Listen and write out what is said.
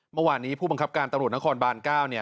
เมื่อวานนี้ผู้บังคับการตำรวจนครบาน๙เนี่ย